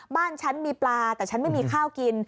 บ้านฉันมีปลาแต่ฉันไม่มีข้าวกิน